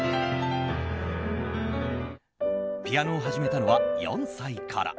ピアノを始めたのは４歳から。